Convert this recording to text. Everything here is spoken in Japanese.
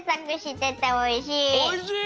おいしい！